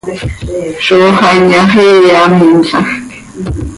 Zó xah inyaxii hamiimlajc.